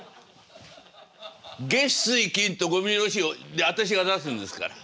月水金とゴミの日で私が出すんですから。